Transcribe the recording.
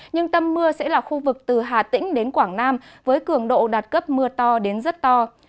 nhưng tâm mưa sẽ là khu vực từ hà tĩnh đến quảng nam với cường độ đạt cấp mưa to đến rất to